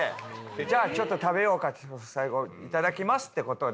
じゃあ食べようか最後いただきますってことで。